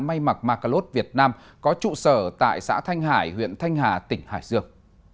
may mặc macalot việt nam có trụ sở tại xã thanh hải huyện thanh hà tỉnh hải dương